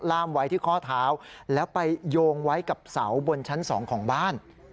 ล่ามไว้ที่ข้อเท้าแล้วไปโยงไว้กับเสาบนชั้น๒ของบ้าน